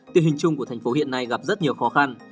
tình hình chung của thành phố hiện nay gặp rất nhiều khó khăn